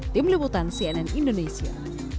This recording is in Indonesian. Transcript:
di melebutan cnn indonesia